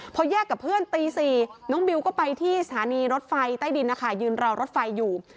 พอแยกกับเพื่อนตี๔น้องบิวก็ไปที่สถานีรถไฟใต้ดินนะคะยืนรอรถไฟอยู่